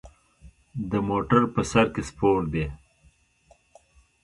د موټر په سر کې سپور دی.